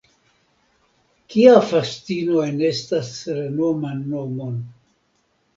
Kia fascino enestas renoman nomon!